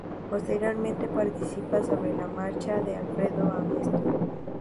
Posteriormente participa en "Sobre la marcha" de Alfredo Amestoy.